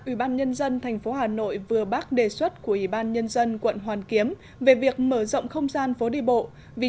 ubnd tp hà nội vừa bác đề xuất của ubnd quận hoàn kiếm về việc mở rộng không gian phố đi bộ vì